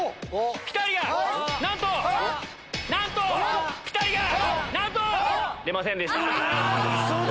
なんと‼出ませんでした。